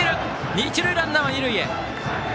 一塁ランナーは二塁へ。